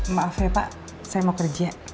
maaf ya pak saya mau kerja